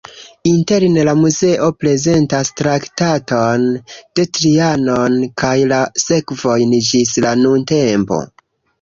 Interne la muzeo prezentas Traktaton de Trianon kaj la sekvojn ĝis la nuntempo.